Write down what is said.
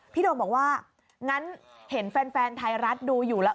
โดมบอกว่างั้นเห็นแฟนไทยรัฐดูอยู่แล้ว